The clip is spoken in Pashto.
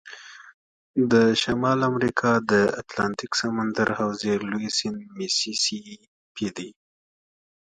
د شمال امریکا د اتلانتیک سمندر حوزې لوی سیند میسی سی پي دی.